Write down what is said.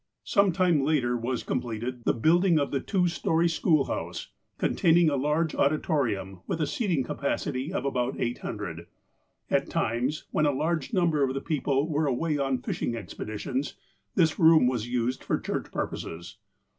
Some time later was completed the building of the two storey schoolhouse, containing a large auditorium, with a seating capacity of about 800. At times, when a large number of the people were away on fishing expedi tious, this room was used for church purposes.